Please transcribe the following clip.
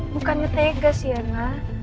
bukannya tega sienna